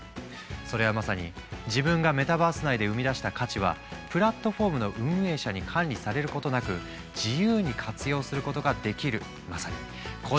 それはまさに自分がメタバース内で生み出した価値はプラットフォームの運営者に管理されることなく自由に活用することができる。